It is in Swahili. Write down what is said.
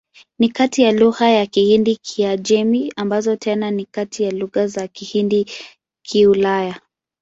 Ni kati ya lugha za Kihindi-Kiajemi, ambazo tena ni kati ya lugha za Kihindi-Kiulaya.